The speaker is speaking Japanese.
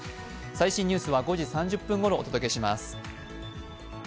最新ニュースは５時３０分ごろお伝えします。